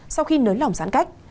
sau khi nới lỏng giãn cách